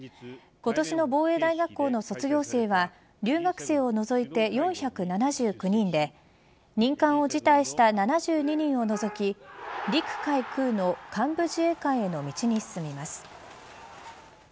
今年の防衛大学校の卒業生は留学生を除いて４７９人で任官を辞退した７２人を除き陸海空の幹部自衛官への道に進みます。